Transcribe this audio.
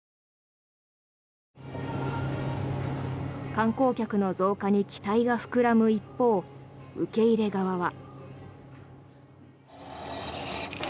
観光客の増加に期待が膨らむ一方受け入れ側は。